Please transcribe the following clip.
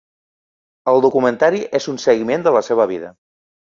El documentari és un seguiment de la seva vida.